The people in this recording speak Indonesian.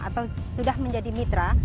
atau sudah menjadi mitra